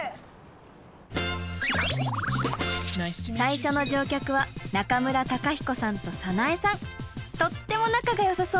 最初の乗客はとっても仲がよさそうなお二人。